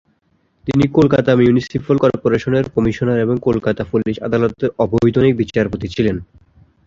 তিনি কলকাতা মিউনিসিপ্যাল কর্পোরেশনের কমিশনার এবং কলকাতা পুলিশ আদালতের অবৈতনিক বিচারপতি ছিলেন।